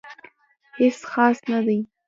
هیڅ خاص نه دي